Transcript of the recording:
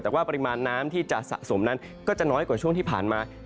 แต่ว่าปริมาณน้ำที่จะสะสมนั้นก็จะน้อยกว่าช่วงที่ผ่านมา